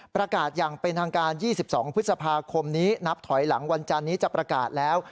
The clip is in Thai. ประกาศอย่างเป็นทางการ๒๒พฤษภาคมนี้นับถอยหลังวันจันนี้จะประกาศแล้ว